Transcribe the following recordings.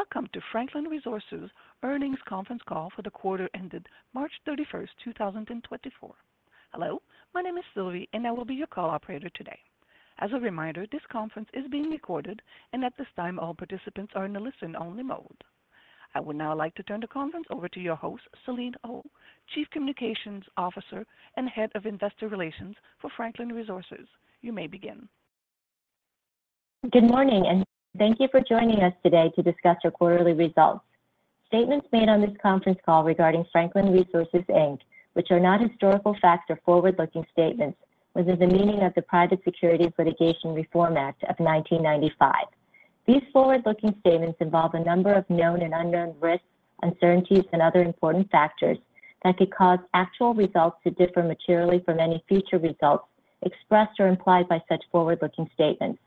Welcome to Franklin Resources' earnings conference call for the quarter ended March 31st, 2024. Hello, my name is Sylvie, and I will be your call operator today. As a reminder, this conference is being recorded, and at this time all participants are in a listen-only mode. I would now like to turn the conference over to your host, Selene Oh, Chief Communications Officer and Head of Investor Relations for Franklin Resources. You may begin. Good morning, and thank you for joining us today to discuss our quarterly results. Statements made on this conference call regarding Franklin Resources, Inc., which are not historical facts, are forward-looking statements within the meaning of the Private Securities Litigation Reform Act of 1995. These forward-looking statements involve a number of known and unknown risks, uncertainties, and other important factors that could cause actual results to differ materially from any future results expressed or implied by such forward-looking statements.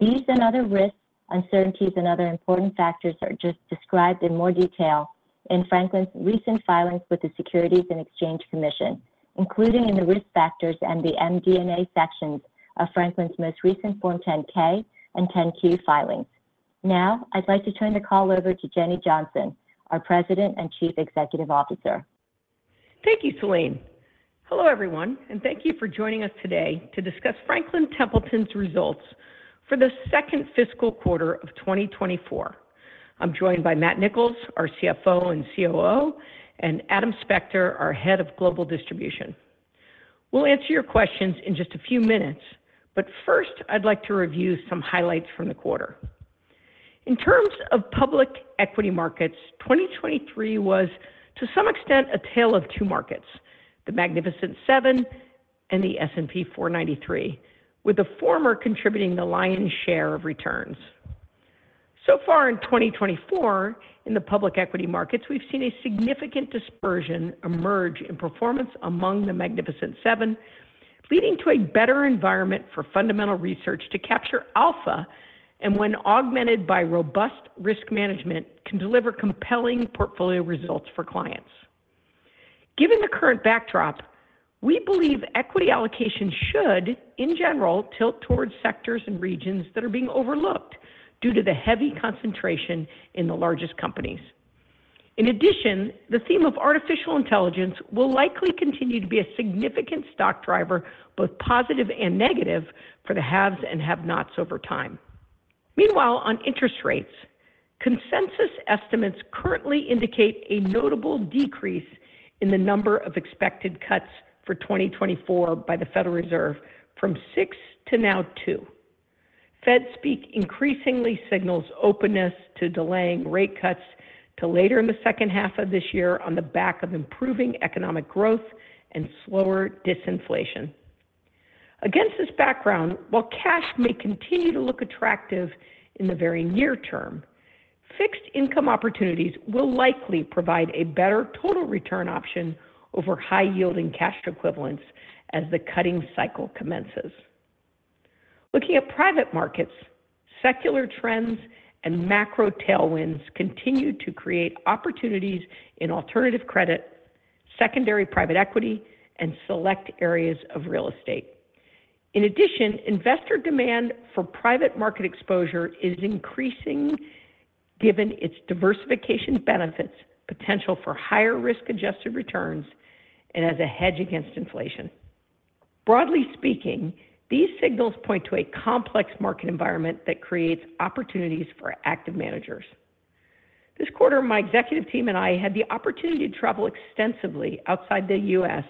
These and other risks, uncertainties, and other important factors are just described in more detail in Franklin's recent filings with the Securities and Exchange Commission, including in the Risk Factors and the MD&A sections of Franklin's most recent Form 10-K and 10-Q filings. Now I'd like to turn the call over to Jenny Johnson, our President and Chief Executive Officer. Thank you, Selene. Hello, everyone, and thank you for joining us today to discuss Franklin Templeton's results for the second fiscal quarter of 2024. I'm joined by Matt Nicholls, our CFO and COO, and Adam Spector, our Head of Global Distribution. We'll answer your questions in just a few minutes, but first I'd like to review some highlights from the quarter. In terms of public equity markets, 2023 was, to some extent, a tale of two markets: the Magnificent Seven and the S&P 493, with the former contributing the lion's share of returns. So far in 2024, in the public equity markets, we've seen a significant dispersion emerge in performance among the Magnificent Seven, leading to a better environment for fundamental research to capture alpha and, when augmented by robust risk management, can deliver compelling portfolio results for clients. Given the current backdrop, we believe equity allocation should, in general, tilt towards sectors and regions that are being overlooked due to the heavy concentration in the largest companies. In addition, the theme of artificial intelligence will likely continue to be a significant stock driver, both positive and negative, for the haves and have-nots over time. Meanwhile, on interest rates, consensus estimates currently indicate a notable decrease in the number of expected cuts for 2024 by the Federal Reserve from 6 to now 2. Fed speak increasingly signals openness to delaying rate cuts to later in the second half of this year on the back of improving economic growth and slower disinflation. Against this background, while cash may continue to look attractive in the very near term, fixed income opportunities will likely provide a better total return option over high-yielding cash equivalents as the cutting cycle commences. Looking at private markets, secular trends and macro tailwinds continue to create opportunities in Alternative credit, secondary private equity, and select areas of real estate. In addition, investor demand for private market exposure is increasing given its diversification benefits, potential for higher risk-adjusted returns, and as a hedge against inflation. Broadly speaking, these signals point to a complex market environment that creates opportunities for active managers. This quarter, my executive team and I had the opportunity to travel extensively outside the U.S.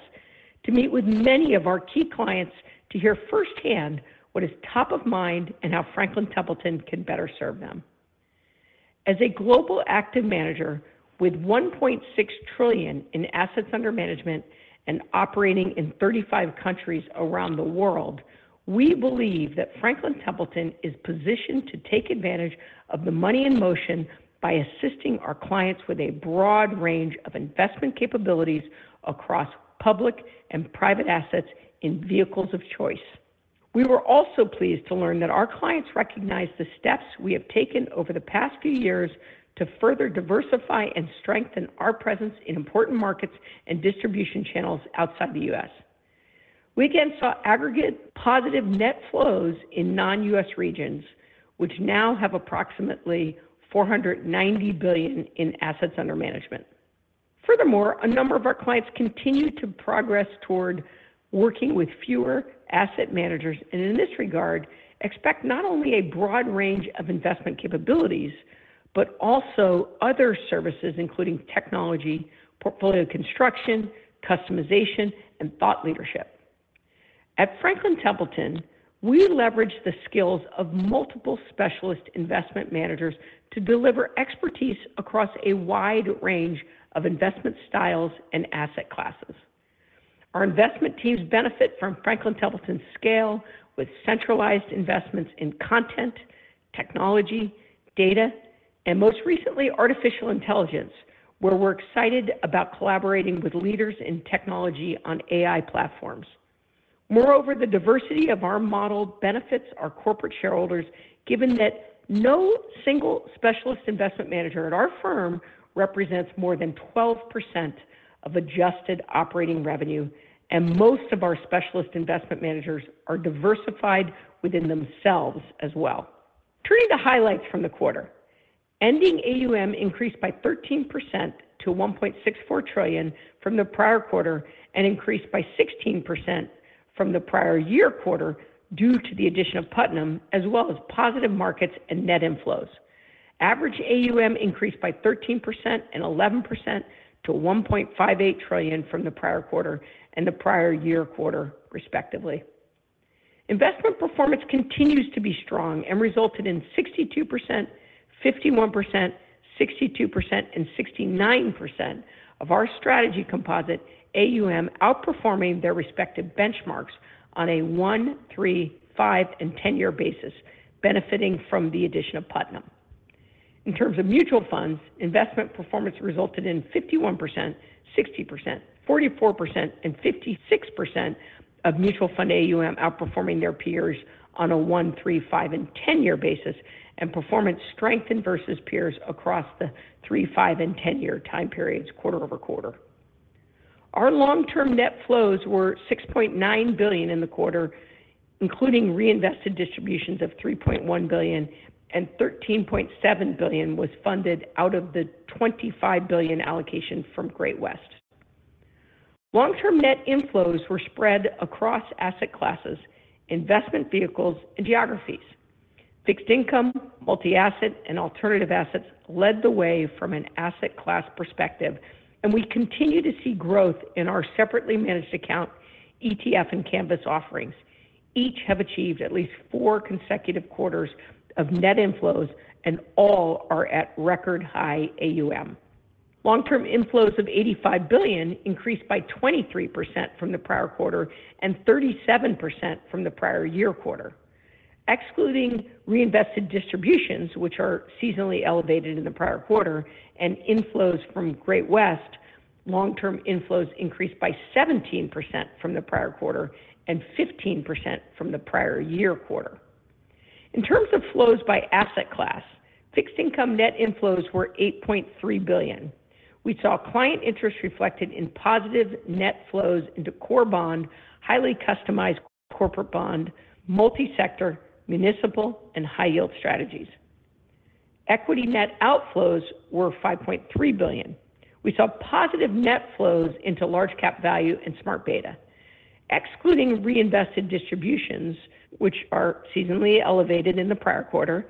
to meet with many of our key clients to hear firsthand what is top of mind and how Franklin Templeton can better serve them. As a global active manager with $1.6 trillion in assets under management and operating in 35 countries around the world, we believe that Franklin Templeton is positioned to take advantage of the money in motion by assisting our clients with a broad range of investment capabilities across public and private assets in vehicles of choice. We were also pleased to learn that our clients recognize the steps we have taken over the past few years to further diversify and strengthen our presence in important markets and distribution channels outside the U.S. We again saw aggregate positive net flows in non-U.S. regions, which now have approximately $490 billion in assets under management. Furthermore, a number of our clients continue to progress toward working with fewer asset managers and, in this regard, expect not only a broad range of investment capabilities but also other services including technology, portfolio construction, customization, and thought leadership. At Franklin Templeton, we leverage the skills of multiple specialist investment managers to deliver expertise across a wide range of investment styles and asset classes. Our investment teams benefit from Franklin Templeton's scale with centralized investments in content, technology, data, and most recently artificial intelligence, where we're excited about collaborating with leaders in technology on AI platforms. Moreover, the diversity of our model benefits our corporate shareholders given that no single specialist investment manager at our firm represents more than 12% of adjusted operating revenue, and most of our specialist investment managers are diversified within themselves as well. Turning to highlights from the quarter: ending AUM increased by 13% to $1.64 trillion from the prior quarter and increased by 16% from the prior year quarter due to the addition of Putnam, as well as positive markets and net inflows. Average AUM increased by 13% and 11% to $1.58 trillion from the prior quarter and the prior year quarter, respectively. Investment performance continues to be strong and resulted in 62%, 51%, 62%, and 69% of our strategy composite AUM outperforming their respective benchmarks on a one, three, five, and ten-year basis, benefiting from the addition of Putnam. In terms of mutual funds, investment performance resulted in 51%, 60%, 44%, and 56% of mutual fund AUM outperforming their peers on a one, three, five, and ten-year basis, and performance strengthened versus peers across the three, five, and ten-year time periods quarter-over-quarter. Our long-term net flows were $6.9 billion in the quarter, including reinvested distributions of $3.1 billion, and $13.7 billion was funded out of the $25 billion allocation from Great-West. Long-term net inflows were spread across asset classes, investment vehicles, and geographies. Fixed income, multi-asset, and alternative assets led the way from an asset class perspective, and we continue to see growth in our separately managed account, ETF, and Canvas offerings. Each have achieved at least four consecutive quarters of net inflows, and all are at record high AUM. Long-term inflows of $85 billion increased by 23% from the prior quarter and 37% from the prior year quarter. Excluding reinvested distributions, which are seasonally elevated in the prior quarter, and inflows from Great-West, long-term inflows increased by 17% from the prior quarter and 15% from the prior year quarter. In terms of flows by asset class, fixed income net inflows were $8.3 billion. We saw client interest reflected in positive net flows into core bond, highly customized corporate bond, multi-sector, municipal, and high-yield strategies. Equity net outflows were $5.3 billion. We saw positive net flows into large-cap value and smart beta. Excluding reinvested distributions, which are seasonally elevated in the prior quarter,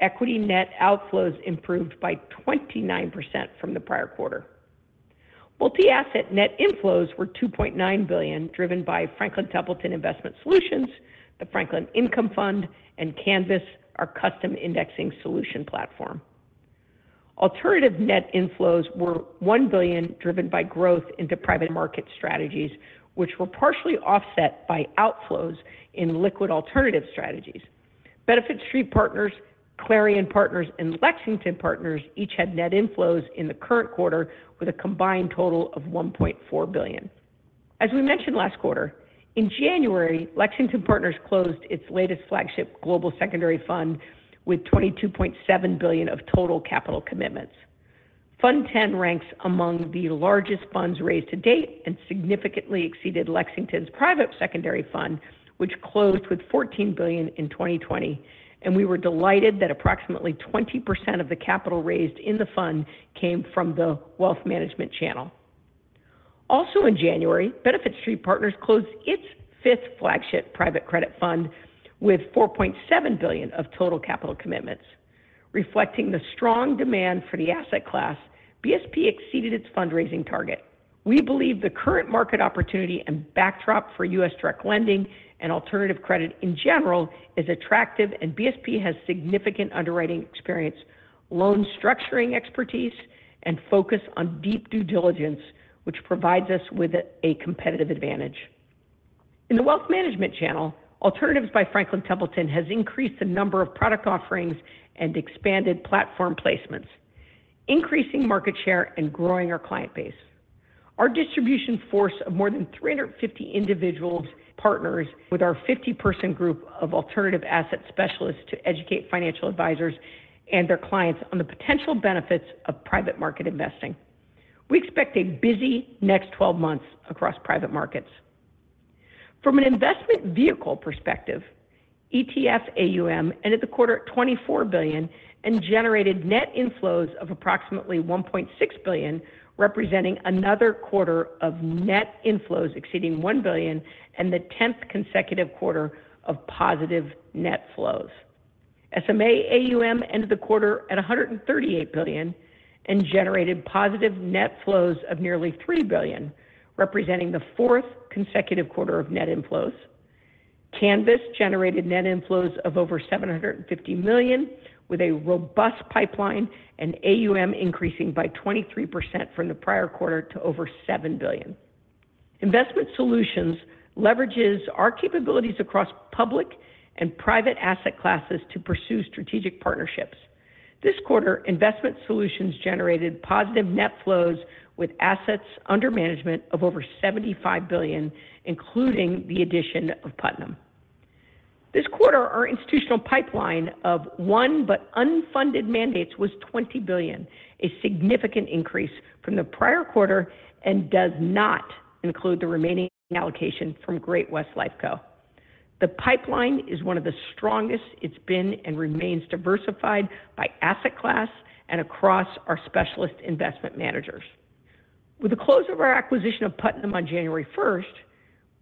equity net outflows improved by 29% from the prior quarter. Multi-asset net inflows were $2.9 billion, driven by Franklin Templeton Investment Solutions, the Franklin Income Fund, and Canvas, our custom indexing solution platform. Alternative net inflows were $1 billion, driven by growth into private market strategies, which were partially offset by outflows in liquid alternative strategies. Benefit Street Partners, Clarion Partners, and Lexington Partners each had net inflows in the current quarter with a combined total of $1.4 billion. As we mentioned last quarter, in January, Lexington Partners closed its latest flagship global secondary fund with $22.7 billion of total capital commitments. Fund 10 ranks among the largest funds raised to date and significantly exceeded Lexington's prior secondary fund, which closed with $14 billion in 2020, and we were delighted that approximately 20% of the capital raised in the fund came from the wealth management channel. Also in January, Benefit Street Partners closed its fifth flagship private credit fund with $4.7 billion of total capital commitments. Reflecting the strong demand for the asset class, BSP exceeded its fundraising target. We believe the current market opportunity and backdrop for U.S. direct lending and alternative credit in general is attractive, and BSP has significant underwriting experience, loan structuring expertise, and focus on deep due diligence, which provides us with a competitive advantage. In the wealth management channel, Alternatives by Franklin Templeton has increased the number of product offerings and expanded platform placements, increasing market share and growing our client base. Our distribution force of more than 350 individuals partners with our 50-person group of alternative asset specialists to educate financial advisors and their clients on the potential benefits of private market investing. We expect a busy next 12 months across private markets. From an investment vehicle perspective, ETF AUM ended the quarter at $24 billion and generated net inflows of approximately $1.6 billion, representing another quarter of net inflows exceeding $1 billion and the tenth consecutive quarter of positive net flows. SMA AUM ended the quarter at $138 billion and generated positive net flows of nearly $3 billion, representing the fourth consecutive quarter of net inflows. Canvas generated net inflows of over $750 million with a robust pipeline and AUM increasing by 23% from the prior quarter to over $7 billion. Investment Solutions leverages our capabilities across public and private asset classes to pursue strategic partnerships. This quarter, Investment Solutions generated positive net flows with assets under management of over $75 billion, including the addition of Putnam. This quarter, our institutional pipeline of $1 billion unfunded mandates was $20 billion, a significant increase from the prior quarter and does not include the remaining allocation from Great-West Lifeco. The pipeline is one of the strongest it's been and remains diversified by asset class and across our specialist investment managers. With the close of our acquisition of Putnam on January 1st,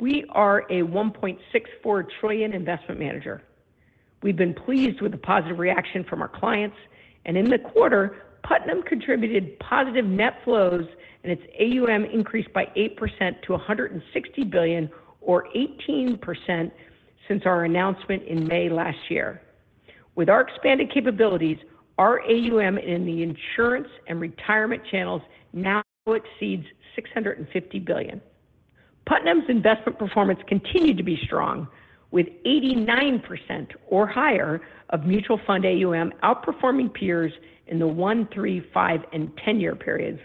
we are a $1.64 trillion investment manager. We've been pleased with the positive reaction from our clients, and in the quarter, Putnam contributed positive net flows and its AUM increased by 8% to $160 billion, or 18%, since our announcement in May last year. With our expanded capabilities, our AUM in the insurance and retirement channels now exceeds $650 billion. Putnam's investment performance continued to be strong, with 89% or higher of mutual fund AUM outperforming peers in the one, three, five, and ten-year periods,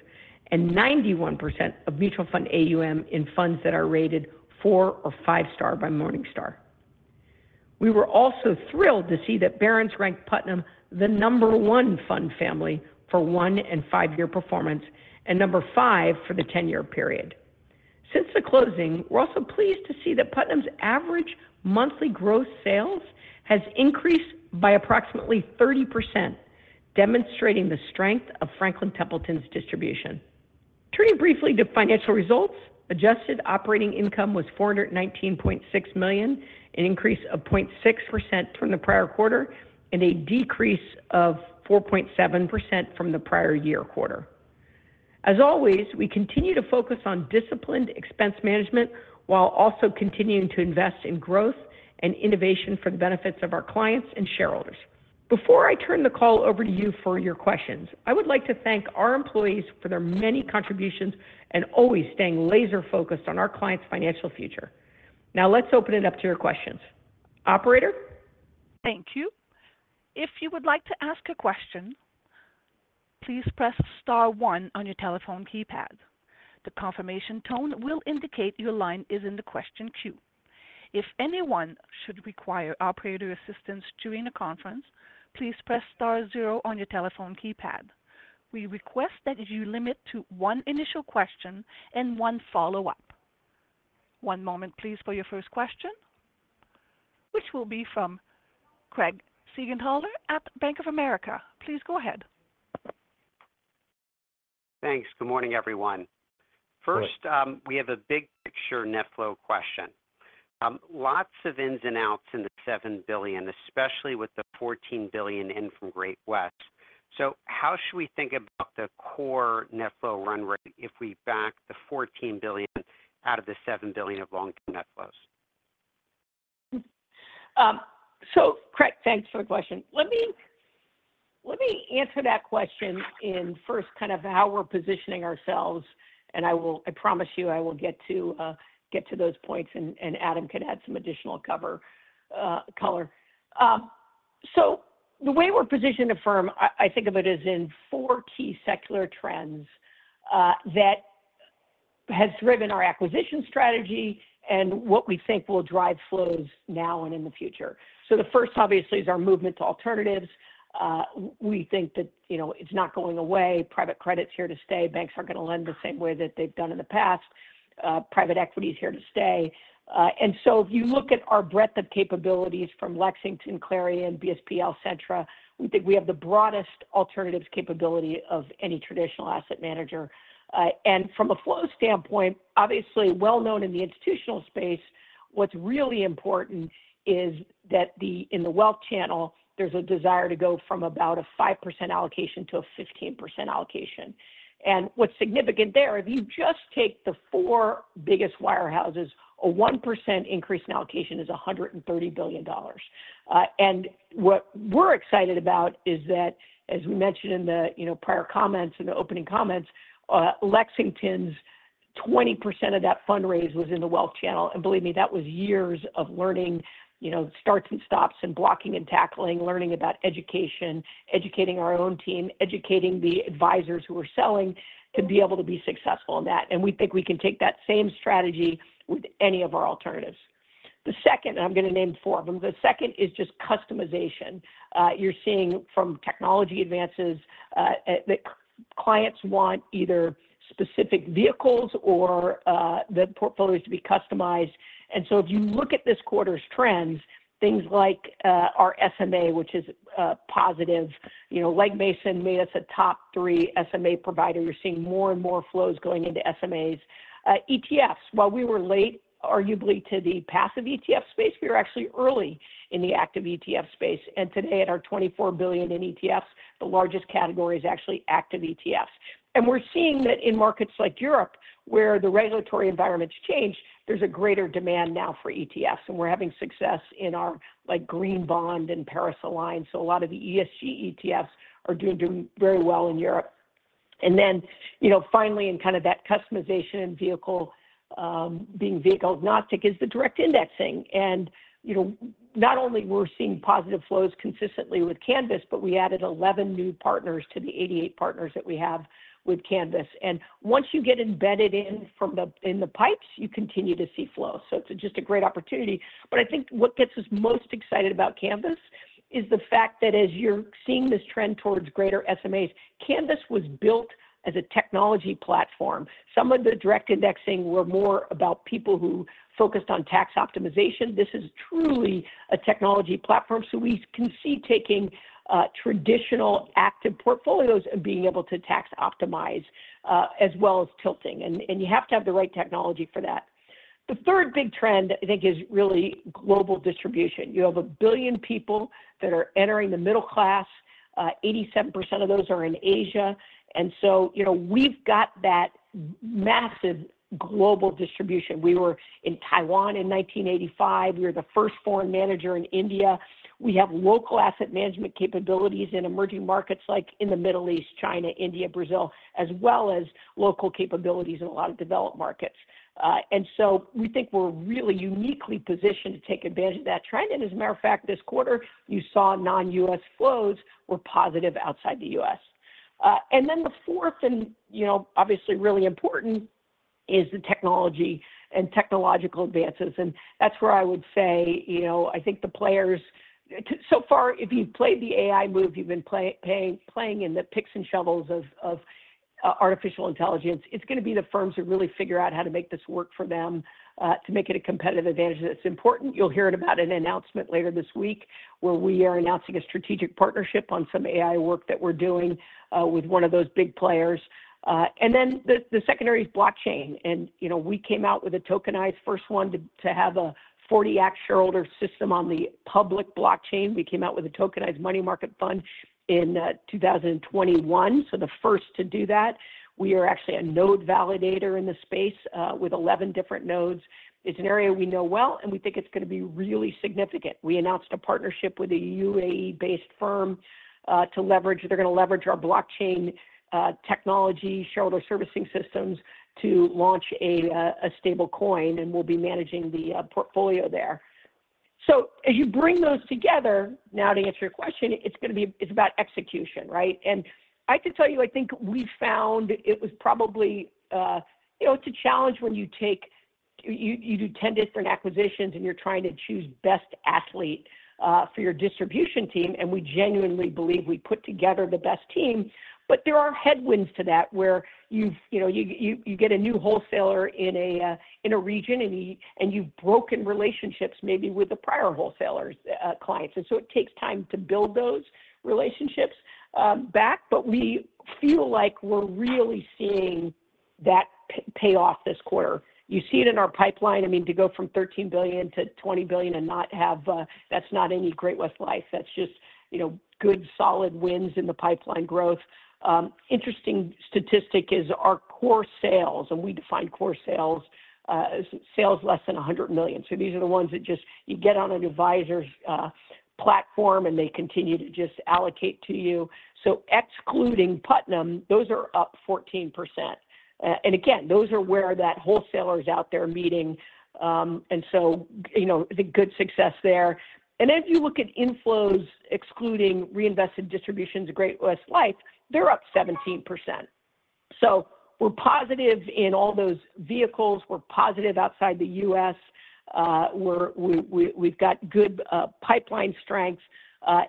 and 91% of mutual fund AUM in funds that are rated four or five-star by Morningstar. We were also thrilled to see that Barron's ranked Putnam the number one fund family for one and five-year performance and number five for the ten-year period. Since the closing, we're also pleased to see that Putnam's average monthly gross sales has increased by approximately 30%, demonstrating the strength of Franklin Templeton's distribution. Turning briefly to financial results, adjusted operating income was $419.6 million, an increase of 0.6% from the prior quarter and a decrease of 4.7% from the prior year quarter. As always, we continue to focus on disciplined expense management while also continuing to invest in growth and innovation for the benefits of our clients and shareholders. Before I turn the call over to you for your questions, I would like to thank our employees for their many contributions and always staying laser-focused on our clients' financial future. Now, let's open it up to your questions. Operator? Thank you. If you would like to ask a question, please press star one on your telephone keypad. The confirmation tone will indicate your line is in the question queue. If anyone should require operator assistance during a conference, please press star zero on your telephone keypad. We request that you limit to one initial question and one follow-up. One moment, please, for your first question, which will be from Craig Siegenthaler at Bank of America. Please go ahead. Thanks. Good morning, everyone. First, we have a big picture net flow question. Lots of ins and outs in the $7 billion, especially with the $14 billion in from Great-West. So how should we think about the core net flow run rate if we back the $14 billion out of the $7 billion of long-term net flows? So, Craig, thanks for the question. Let me answer that question in first kind of how we're positioning ourselves, and I promise you I will get to those points, and Adam can add some additional color. So, the way we're positioned at firm, I think of it as in four key secular trends that have driven our acquisition strategy and what we think will drive flows now and in the future. So, the first, obviously, is our movement to alternatives. We think that it's not going away. Private credit's here to stay. Banks aren't going to lend the same way that they've done in the past. Private equity's here to stay. And so, if you look at our breadth of capabilities from Lexington, Clarion, BSP, Alcentra, we think we have the broadest alternatives capability of any traditional asset manager. From a flow standpoint, obviously, well known in the institutional space, what's really important is that in the wealth channel, there's a desire to go from about a 5% allocation to a 15% allocation. What's significant there, if you just take the four biggest wirehouses, a 1% increase in allocation is $130 billion. What we're excited about is that, as we mentioned in the prior comments and the opening comments, Lexington's 20% of that fundraise was in the wealth channel. Believe me, that was years of learning, starts and stops, and blocking and tackling, learning about education, educating our own team, educating the advisors who were selling to be able to be successful in that. We think we can take that same strategy with any of our alternatives. The second, and I'm going to name four of them, the second is just customization. You're seeing from technology advances that clients want either specific vehicles or the portfolios to be customized. And so if you look at this quarter's trends, things like our SMA, which is positive, Legg Mason made us a top three SMA provider. You're seeing more and more flows going into SMAs. ETFs, while we were late arguably to the passive ETF space, we were actually early in the active ETF space. And today, at our $24 billion in ETFs, the largest category is actually active ETFs. And we're seeing that in markets like Europe, where the regulatory environment's changed, there's a greater demand now for ETFs. And we're having success in our green bond and Paris-aligned. So a lot of the ESG ETFs are doing very well in Europe. And then finally, in kind of that customization and being vehicle agnostic, is the direct indexing. And not only we're seeing positive flows consistently with Canvas, but we added 11 new partners to the 88 partners that we have with Canvas. And once you get embedded in the pipes, you continue to see flows. So it's just a great opportunity. But I think what gets us most excited about Canvas is the fact that as you're seeing this trend towards greater SMAs, Canvas was built as a technology platform. Some of the direct indexing were more about people who focused on tax optimization. This is truly a technology platform. So we can see taking traditional active portfolios and being able to tax optimize as well as tilting. And you have to have the right technology for that. The third big trend, I think, is really global distribution. You have 1 billion people that are entering the middle class. 87% of those are in Asia. And so we've got that massive global distribution. We were in Taiwan in 1985. We were the first foreign manager in India. We have local asset management capabilities in emerging markets like in the Middle East, China, India, Brazil, as well as local capabilities in a lot of developed markets. And so we think we're really uniquely positioned to take advantage of that trend, as a matter of fact, this quarter, you saw non-U.S. flows were positive outside the U.S. And then the fourth, and obviously really important, is the technology and technological advances. And that's where I would say I think the players so far, if you've played the AI move, you've been playing in the picks and shovels of artificial intelligence. It's going to be the firms who really figure out how to make this work for them to make it a competitive advantage that's important. You'll hear about an announcement later this week where we are announcing a strategic partnership on some AI work that we're doing with one of those big players. And then the secondary is blockchain. And we came out with a tokenized first one to have a 40 Act shareholder system on the public blockchain. We came out with a tokenized money market fund in 2021, so the first to do that. We are actually a node validator in the space with 11 different nodes. It's an area we know well, and we think it's going to be really significant. We announced a partnership with a UAE-based firm. They're going to leverage our blockchain technology, shareholder servicing systems to launch a stablecoin, and we'll be managing the portfolio there. So as you bring those together, now to answer your question, it's about execution, right? And I can tell you, I think we found it was probably it's a challenge when you do 10 different acquisitions and you're trying to choose best athlete for your distribution team. And we genuinely believe we put together the best team. But there are headwinds to that where you get a new wholesaler in a region and you've broken relationships maybe with the prior wholesalers' clients. And so it takes time to build those relationships back. But we feel like we're really seeing that pay off this quarter. You see it in our pipeline. I mean, to go from $13 billion to $20 billion and not have – that's not any Great-West Lifeco. That's just good, solid wins in the pipeline growth. Interesting statistic is our core sales, and we define core sales as sales less than $100 million. So these are the ones that just you get on an advisor's platform and they continue to just allocate to you. So excluding Putnam, those are up 14%. And again, those are where that wholesaler is out there meeting. And so I think good success there. And then if you look at inflows excluding reinvested distributions, Great-West Lifeco, they're up 17%. So we're positive in all those vehicles. We're positive outside the U.S. We've got good pipeline strengths.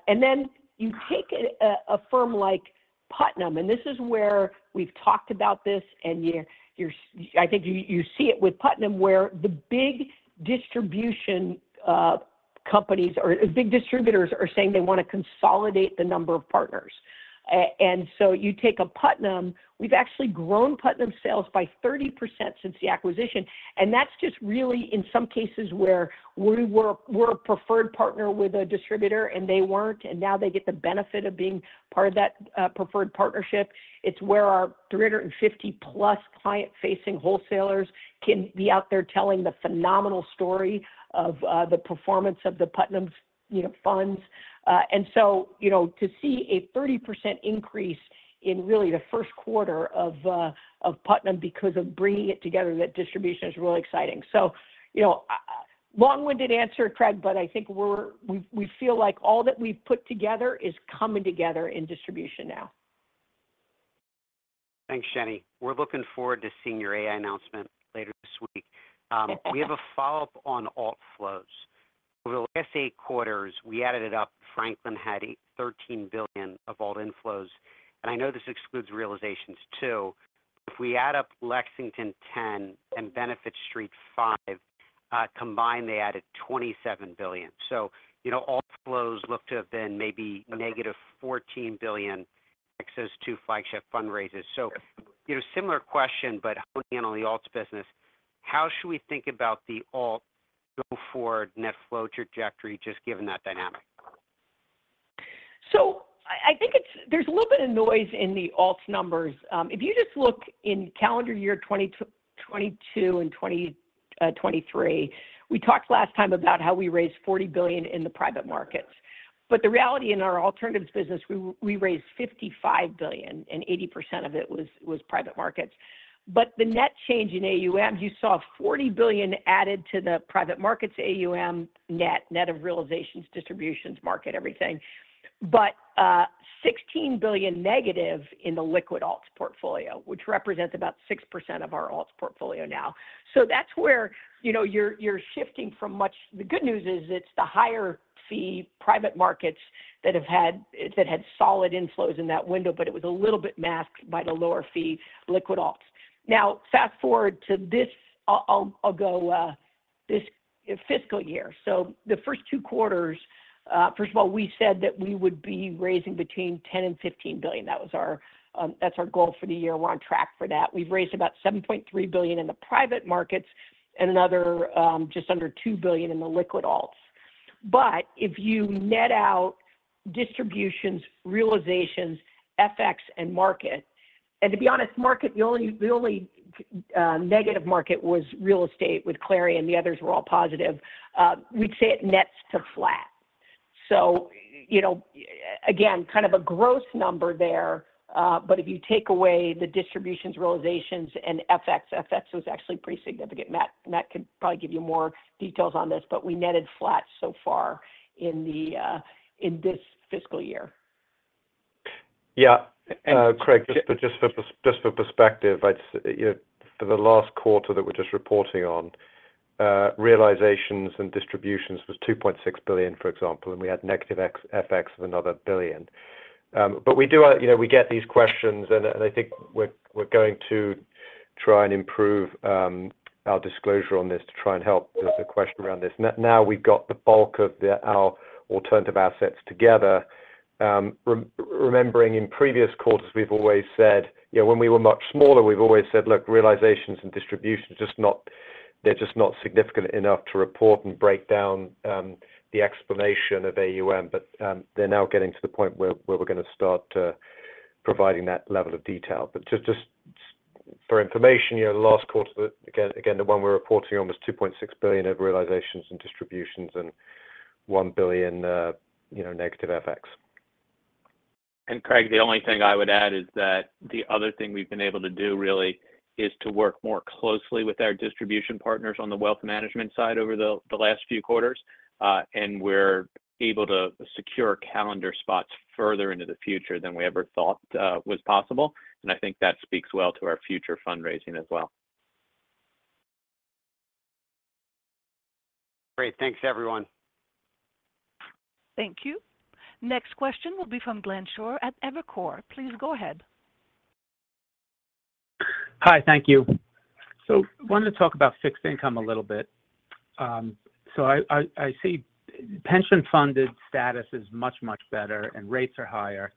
And then you take a firm like Putnam, and this is where we've talked about this, and I think you see it with Putnam where the big distribution companies or big distributors are saying they want to consolidate the number of partners. And so you take Putnam, we've actually grown Putnam sales by 30% since the acquisition. And that's just really, in some cases, where we're a preferred partner with a distributor and they weren't, and now they get the benefit of being part of that preferred partnership. It's where our 350-plus client-facing wholesalers can be out there telling the phenomenal story of the performance of the Putnam's funds. And so to see a 30% increase in really the first quarter of Putnam because of bringing it together, that distribution is really exciting. So long-winded answer, Craig, but I think we feel like all that we've put together is coming together in distribution now. Thanks, Jenny. We're looking forward to seeing your AI announcement later this week. We have a follow-up on alt flows. Over the last eight quarters, we added it up, Franklin had $13 billion of alt inflows. And I know this excludes realizations too. If we add up Lexington 10 and Benefit Street 5 combined, they added $27 billion. So, alt flows look to have been maybe negative $14 billion excess to flagship fundraisers. So similar question, but honing in on the alts business, how should we think about the alt go-forward net flow trajectory just given that dynamic? So I think there's a little bit of noise in the alts numbers. If you just look in calendar year 2022 and 2023, we talked last time about how we raised $40 billion in the private markets. But the reality in our alternatives business, we raised $55 billion, and 80% of it was private markets. But the net change in AUM, you saw $40 billion added to the private markets AUM net, net of realizations, distributions, market, everything, but $16 billion negative in the liquid alts portfolio, which represents about 6% of our alts portfolio now. So that's where you're shifting from much the good news is it's the higher fee private markets that had solid inflows in that window, but it was a little bit masked by the lower fee liquid alts. Now, fast forward to this I'll go this fiscal year. So the first two quarters, first of all, we said that we would be raising between $10 billion and $15 billion. That's our goal for the year. We're on track for that. We've raised about $7.3 billion in the private markets and another just under $2 billion in the liquid alts. But if you net out distributions, realizations, FX, and market and to be honest, market, the only negative market was real estate with Clarion, the others were all positive. We'd say it nets to flat. So again, kind of a gross number there. But if you take away the distributions, realizations, and FX, FX was actually pretty significant. Matt could probably give you more details on this, but we netted flat so far in this fiscal year. Yeah, Craig, just for perspective, for the last quarter that we're just reporting on, realizations and distributions was $2.6 billion, for example, and we had negative FX of another $1 billion. But we do get these questions, and I think we're going to try and improve our disclosure on this to try and help the question around this. Now we've got the bulk of our alternative assets together. Remembering in previous quarters, we've always said when we were much smaller, we've always said, "Look, realizations and distributions, they're just not significant enough to report and break down the explanation of AUM." But they're now getting to the point where we're going to start providing that level of detail. But just for information, the last quarter, again, the one we're reporting on was $2.6 billion of realizations and distributions and $1 billion negative FX. Craig, the only thing I would add is that the other thing we've been able to do really is to work more closely with our distribution partners on the wealth management side over the last few quarters. We're able to secure calendar spots further into the future than we ever thought was possible. I think that speaks well to our future fundraising as well. Great. Thanks, everyone. Thank you. Next question will be from Glenn Schorr at Evercore. Please go ahead. Hi. Thank you. So I wanted to talk about fixed income a little bit. So I see pension-funded status is much, much better, and rates are higher.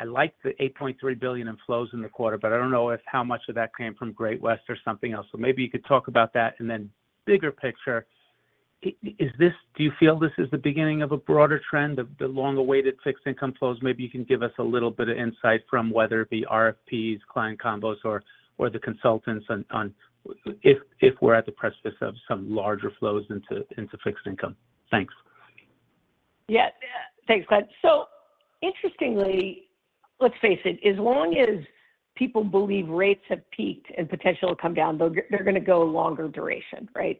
I like the $8.3 billion in flows in the quarter, but I don't know if how much of that came from Great-West or something else. So maybe you could talk about that. And then bigger picture, do you feel this is the beginning of a broader trend, the long-awaited fixed income flows? Maybe you can give us a little bit of insight from whether it be RFPs, client combos, or the consultants if we're at the precipice of some larger flows into fixed income. Thanks. Yeah. Thanks, Glen. So interestingly, let's face it, as long as people believe rates have peaked and potential to come down, they're going to go longer duration, right?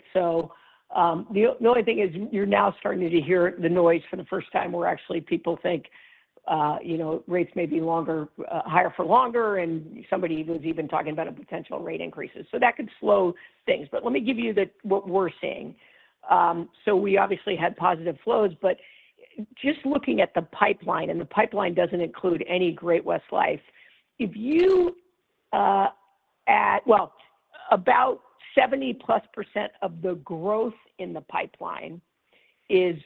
So the only thing is you're now starting to hear the noise for the first time where actually people think rates may be higher for longer, and somebody was even talking about a potential rate increases. So that could slow things. But let me give you what we're seeing. So we obviously had positive flows. But just looking at the pipeline, and the pipeline doesn't include any Great-West Lifeco, if you look at it, well, about 70% plus of the growth in the pipeline is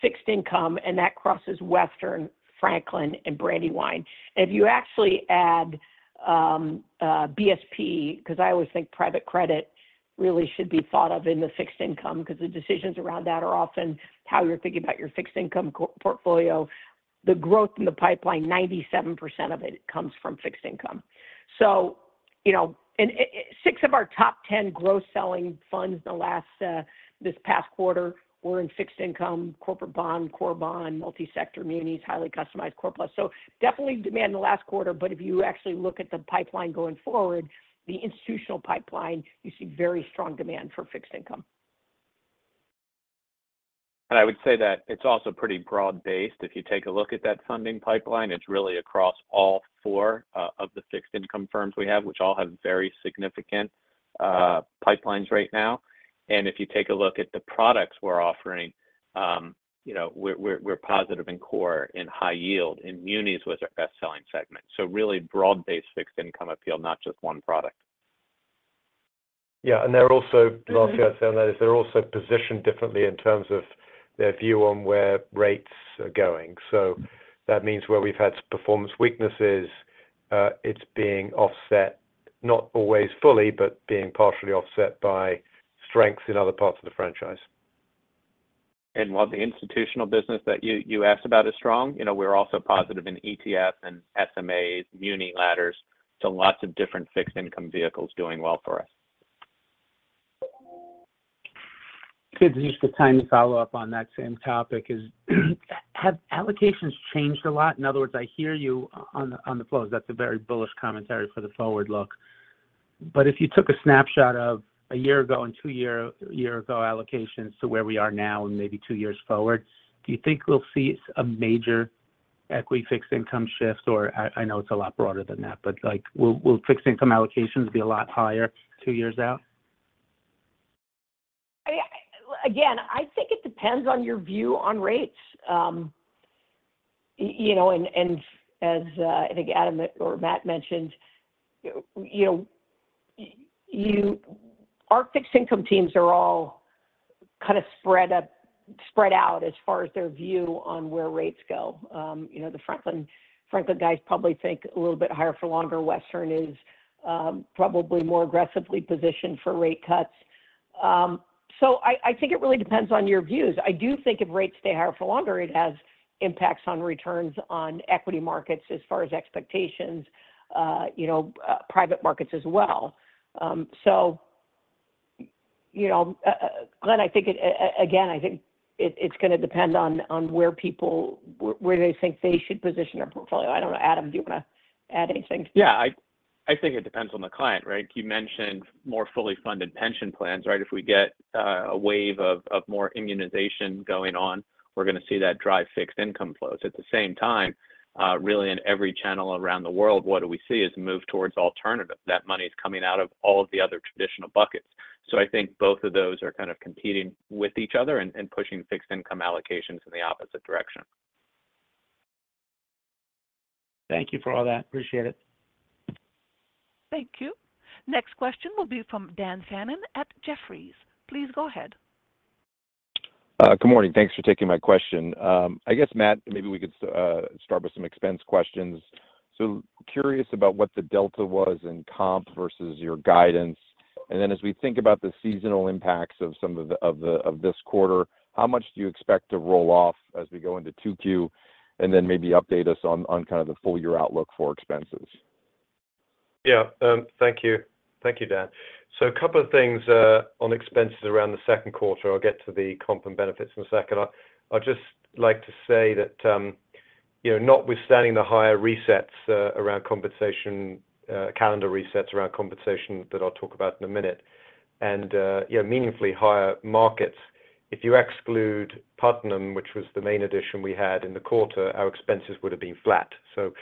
fixed income, and that crosses Western, Franklin, and Brandywine. If you actually add BSP because I always think private credit really should be thought of in the fixed income because the decisions around that are often how you're thinking about your fixed income portfolio. The growth in the pipeline, 97% of it comes from fixed income. Six of our top 10 gross-selling funds in the last this past quarter were in fixed income, corporate bond, core bond, multi-sector munis, highly customized core plus. So definitely demand in the last quarter. But if you actually look at the pipeline going forward, the institutional pipeline, you see very strong demand for fixed income. I would say that it's also pretty broad-based. If you take a look at that funding pipeline, it's really across all four of the fixed income firms we have, which all have very significant pipelines right now. If you take a look at the products we're offering, we're positive in core and high yield. Munis was our best-selling segment. Really broad-based fixed income appeal, not just one product. Yeah. Last thing I'd say on that is they're also positioned differently in terms of their view on where rates are going. That means where we've had performance weaknesses, it's being offset, not always fully, but being partially offset by strengths in other parts of the franchise. While the institutional business that you asked about is strong, we're also positive in ETFs and SMAs, muni ladders. Lots of different fixed income vehicles doing well for us. So, just a tiny follow-up on that same topic. Have allocations changed a lot? In other words, I hear you on the flows. That's a very bullish commentary for the forward look. But if you took a snapshot of a year ago and two-year-ago allocations to where we are now and maybe two years forward, do you think we'll see a major equity fixed income shift? Or, I know it's a lot broader than that, but will fixed income allocations be a lot higher two years out? I mean, again, I think it depends on your view on rates. And as I think Adam or Matt mentioned, our fixed income teams are all kind of spread out as far as their view on where rates go. The Franklin guys probably think a little bit higher for longer. Western is probably more aggressively positioned for rate cuts. So I think it really depends on your views. I do think if rates stay higher for longer, it has impacts on returns on equity markets as far as expectations, private markets as well. So Glen, again, I think it's going to depend on where they think they should position their portfolio. I don't know. Adam, do you want to add anything? Yeah. I think it depends on the client, right? You mentioned more fully funded pension plans, right? If we get a wave of more immunization going on, we're going to see that drive fixed income flows. At the same time, really, in every channel around the world, what do we see is a move towards alternatives. That money is coming out of all of the other traditional buckets. So I think both of those are kind of competing with each other and pushing fixed income allocations in the opposite direction. Thank you for all that. Appreciate it. Thank you. Next question will be from Dan Fannon at Jefferies. Please go ahead. Good morning. Thanks for taking my question. I guess, Matt, maybe we could start with some expense questions. So curious about what the delta was in comp versus your guidance. And then as we think about the seasonal impacts of some of this quarter, how much do you expect to roll off as we go into 2Q and then maybe update us on kind of the full-year outlook for expenses? Yeah. Thank you. Thank you, Dan. So a couple of things on expenses around the second quarter. I'll get to the comp and benefits in a second. I'd just like to say that notwithstanding the higher resets around compensation, calendar resets around compensation that I'll talk about in a minute, and meaningfully higher markets, if you exclude Putnam, which was the main addition we had in the quarter, our expenses would have been flat. So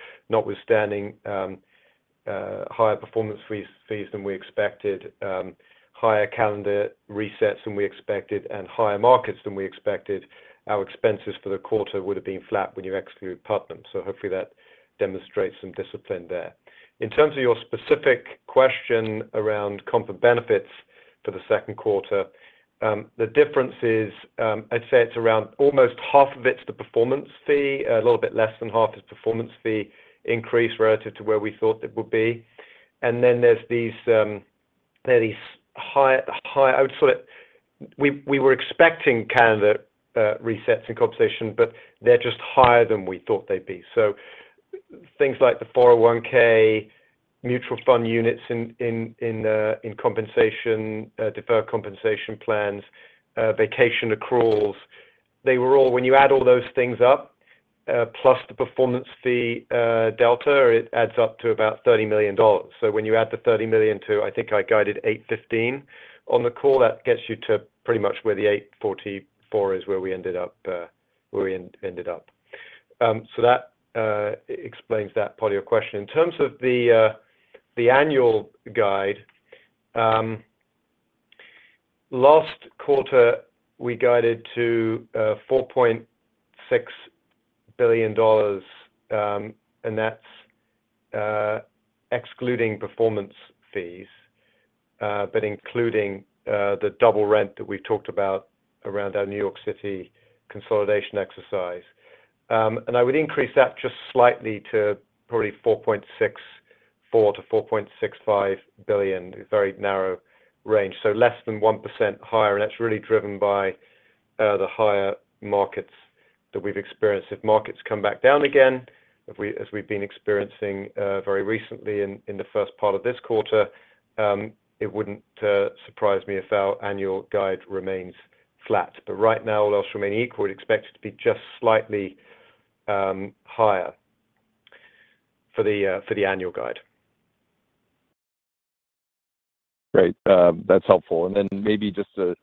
hopefully, that demonstrates some discipline there. In terms of your specific question around comp and benefits for the second quarter, the difference is, I'd say it's around almost half of it's the performance fee. A little bit less than half is performance fee increase relative to where we thought it would be. And then there's these higher. I would sort of—we were expecting calendar resets in compensation, but they're just higher than we thought they'd be. So things like the 401(k), mutual fund units in compensation, deferred compensation plans, vacation accruals—they were all. When you add all those things up, plus the performance fee delta, it adds up to about $30 million. So when you add the $30 million to—I think I guided $815 million on the call, that gets you to pretty much where the $844 million is, where we ended up where we ended up. So that explains that part of your question. In terms of the annual guide, last quarter, we guided to $4.6 billion, and that's excluding performance fees, but including the double rent that we've talked about around our New York City consolidation exercise. I would increase that just slightly to probably $4.64 billion-$4.65 billion, a very narrow range. Less than 1% higher. That's really driven by the higher markets that we've experienced. If markets come back down again, as we've been experiencing very recently in the first part of this quarter, it wouldn't surprise me if our annual guide remains flat. But right now, all else remaining equal, we'd expect it to be just slightly higher for the annual guide. Great. That's helpful. And then maybe just to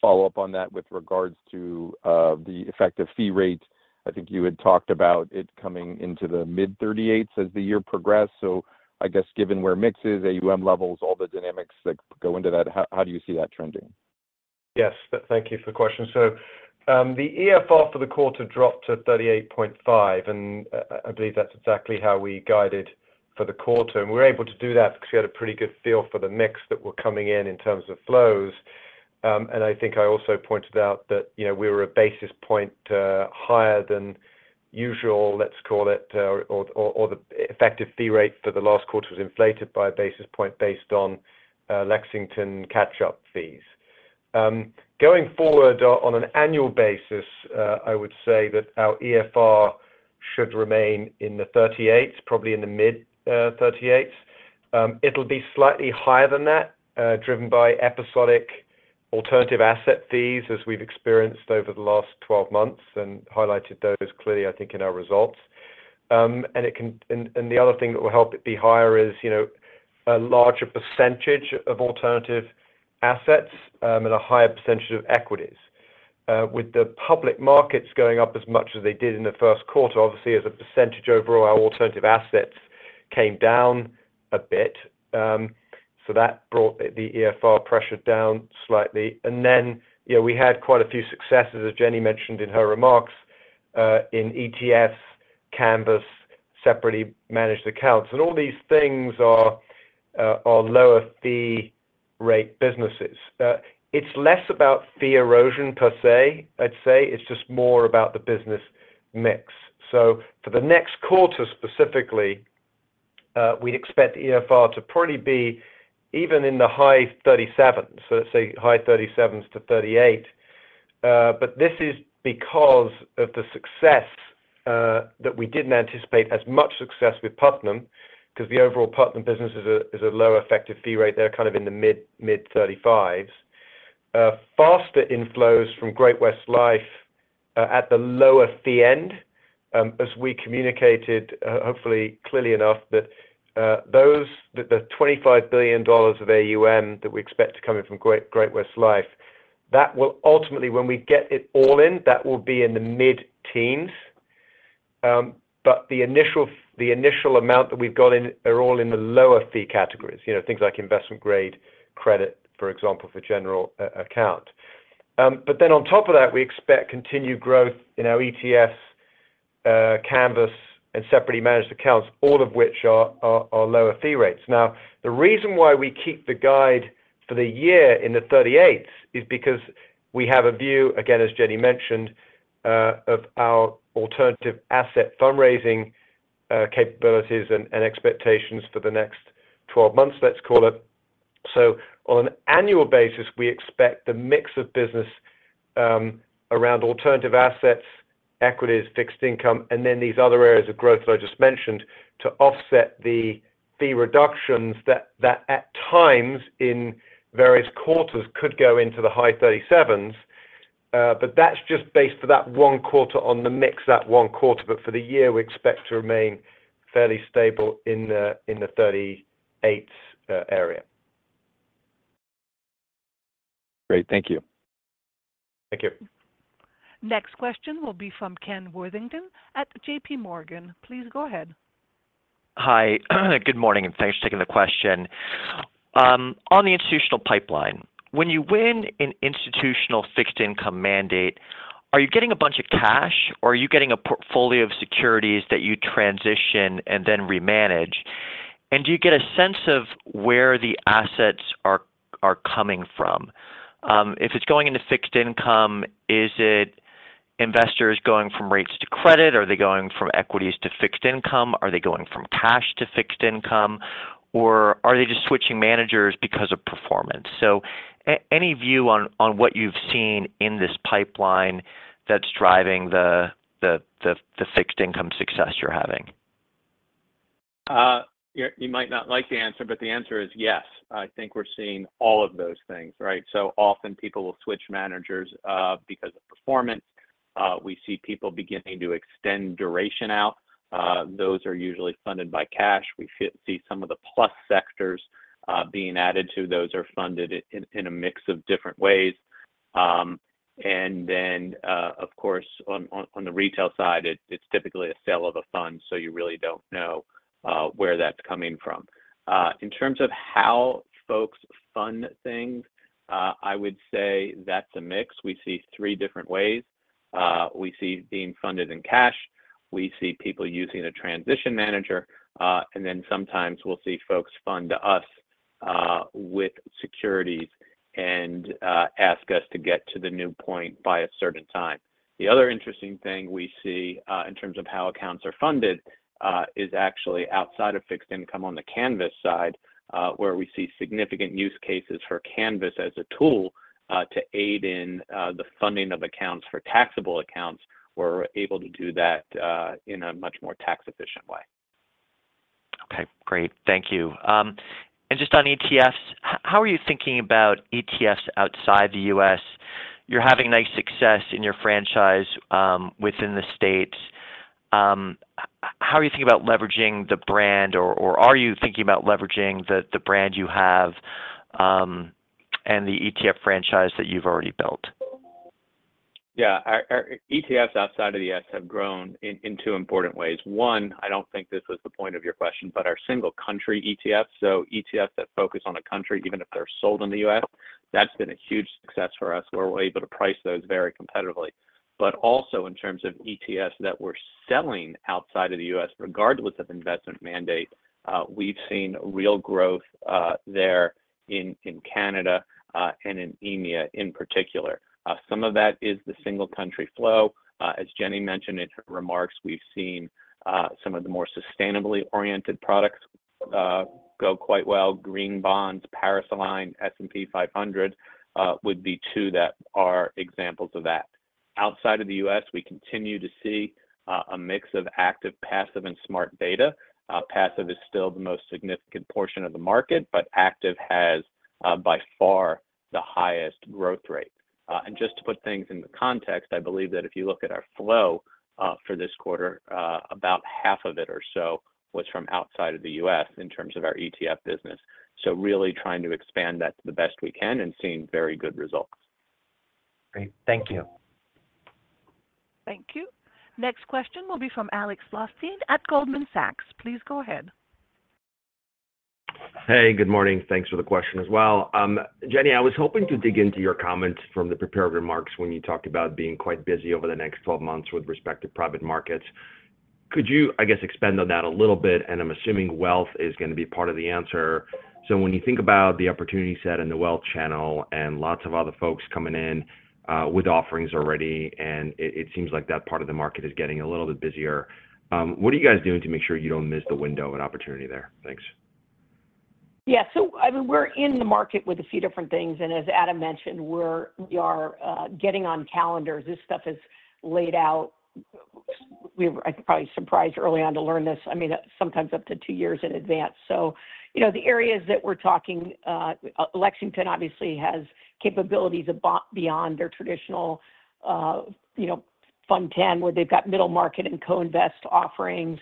follow up on that with regards to the effective fee rate, I think you had talked about it coming into the mid-38s as the year progressed. So, I guess given where mixes, AUM levels, all the dynamics that go into that, how do you see that trending? Yes. Thank you for the question. So the EFR for the quarter dropped to 38.5, and I believe that's exactly how we guided for the quarter. And we were able to do that because we had a pretty good feel for the mix that were coming in in terms of flows. And I think I also pointed out that we were a basis point higher than usual, let's call it, or the effective fee rate for the last quarter was inflated by a basis point based on Lexington catch-up fees. Going forward on an annual basis, I would say that our EFR should remain in the 38s, probably in the mid-38s. It'll be slightly higher than that, driven by episodic alternative asset fees as we've experienced over the last 12 months and highlighted those clearly, I think, in our results. And the other thing that will help it be higher is a larger percentage of alternative assets and a higher percentage of equities. With the public markets going up as much as they did in the first quarter, obviously, as a percentage overall, our alternative assets came down a bit. So that brought the EFR pressure down slightly. And then we had quite a few successes, as Jenny mentioned in her remarks, in ETFs, Canvas, separately managed accounts. And all these things are lower-fee-rate businesses. It's less about fee erosion per se, I'd say. It's just more about the business mix. So for the next quarter specifically, we'd expect the EFR to probably be even in the high 37s. So let's say high 37s-38. But this is because of the success that we didn't anticipate, as much success with Putnam because the overall Putnam business is a low effective fee rate. They're kind of in the mid-35s. Faster inflows from Great-West Lifeco at the lower fee end, as we communicated hopefully clearly enough, that the $25 billion of AUM that we expect to come in from Great-West Lifeco, that will ultimately, when we get it all in, that will be in the mid-teens. But the initial amount that we've got in are all in the lower fee categories, things like investment-grade credit, for example, for general account. But then on top of that, we expect continued growth in our ETFs, Canvas, and separately managed accounts, all of which are lower fee rates. Now, the reason why we keep the guide for the year in the 38s is because we have a view, again, as Jenny mentioned, of our alternative asset fundraising capabilities and expectations for the next 12 months, let's call it. So on an annual basis, we expect the mix of business around alternative assets, equities, fixed income, and then these other areas of growth that I just mentioned to offset the fee reductions that at times in various quarters could go into the high 37s. But that's just based for that one quarter on the mix, that one quarter. But for the year, we expect to remain fairly stable in the 38s area. Great. Thank you. Thank you. Next question will be from Ken Worthington at JPMorgan. Please go ahead. Hi. Good morning, and thanks for taking the question. On the institutional pipeline, when you win an institutional fixed income mandate, are you getting a bunch of cash, or are you getting a portfolio of securities that you transition and then remanage? And do you get a sense of where the assets are coming from? If it's going into fixed income, is it investors going from rates to credit? Are they going from equities to fixed income? Are they going from cash to fixed income? Or are they just switching managers because of performance? So any view on what you've seen in this pipeline that's driving the fixed income success you're having? You might not like the answer, but the answer is yes. I think we're seeing all of those things, right? So often, people will switch managers because of performance. We see people beginning to extend duration out. Those are usually funded by cash. We see some of the plus sectors being added to. Those are funded in a mix of different ways. And then, of course, on the retail side, it's typically a sale of a fund, so you really don't know where that's coming from. In terms of how folks fund things, I would say that's a mix. We see three different ways. We see being funded in cash. We see people using a transition manager. And then sometimes, we'll see folks fund us with securities and ask us to get to the new point by a certain time. The other interesting thing we see in terms of how accounts are funded is actually outside of fixed income on the Canvas side, where we see significant use cases for Canvas as a tool to aid in the funding of accounts for taxable accounts, where we're able to do that in a much more tax-efficient way. Okay. Great. Thank you. Just on ETFs, how are you thinking about ETFs outside the U.S.? You're having nice success in your franchise within the states. How are you thinking about leveraging the brand, or are you thinking about leveraging the brand you have and the ETF franchise that you've already built? Yeah. ETFs outside of the US have grown in two important ways. One, I don't think this was the point of your question, but our single-country ETFs, so ETFs that focus on a country, even if they're sold in the US, that's been a huge success for us, where we're able to price those very competitively. But also, in terms of ETFs that we're selling outside of the US, regardless of investment mandate, we've seen real growth there in Canada and in EMEA in particular. Some of that is the single-country flow. As Jenny mentioned in her remarks, we've seen some of the more sustainably oriented products go quite well. Green bonds, Paris-Aligned, S&P 500 would be two that are examples of that. Outside of the U.S., we continue to see a mix of active, passive, and Smart Beta. Passive is still the most significant portion of the market, but active has by far the highest growth rate. Just to put things in the context, I believe that if you look at our flow for this quarter, about half of it or so was from outside of the U.S. in terms of our ETF business. Really trying to expand that to the best we can and seeing very good results. Great. Thank you. Thank you. Next question will be from Alex Blostein at Goldman Sachs. Please go ahead. Hey. Good morning. Thanks for the question as well. Jenny, I was hoping to dig into your comments from the prepared remarks when you talked about being quite busy over the next 12 months with respect to private markets. Could you, I guess, expand on that a little bit? And I'm assuming wealth is going to be part of the answer. So when you think about the opportunity set and the wealth channel and lots of other folks coming in with offerings already, and it seems like that part of the market is getting a little bit busier, what are you guys doing to make sure you don't miss the window and opportunity there? Thanks. Yeah. So I mean, we're in the market with a few different things. And as Adam mentioned, we are getting on calendars. This stuff is laid out. I'm probably surprised early on to learn this. I mean, sometimes up to two years in advance. So the areas that we're talking, Lexington obviously has capabilities beyond their traditional fund 10, where they've got middle market and co-invest offerings.